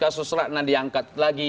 jadi kasus rakanan diangkat lagi